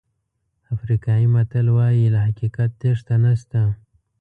افریقایي متل وایي له حقیقت تېښته نشته.